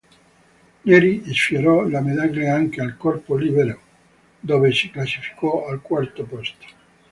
Neri sfiorò la medaglia anche al corpo libero, dove si classificò al quarto posto.